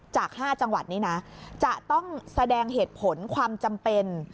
จาก๕จังหวัดนี้นะจะต้องแสดงเหตุผลความจำเป็น